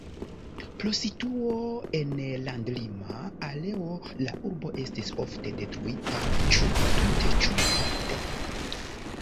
Pro situo en landlima areo la urbo estis ofte detruita ĉu tute ĉu parte.